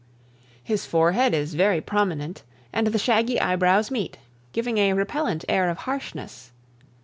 His forehead is very prominent, and the shaggy eyebrows meet, giving a repellent air of harshness.